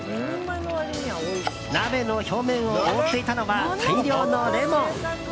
鍋の表面を覆っていたのは大量のレモン！